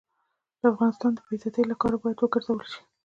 د افغانستان د بې عزتۍ له کارو باید وګرزول شي.